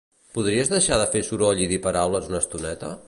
Podries deixar de fer soroll i dir paraules una estoneta?